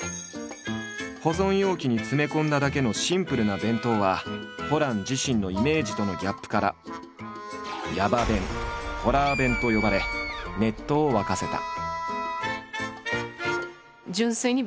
保存容器に詰め込んだだけのシンプルな弁当はホラン自身のイメージとのギャップから「ヤバ弁」「ホラー弁」と呼ばれネットを沸かせた。